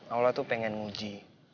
allah tuh pengen nguji